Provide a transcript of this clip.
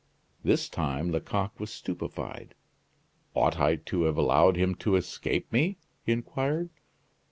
This time Lecoq was stupefied. "Ought I to have allowed him to escape me?" he inquired.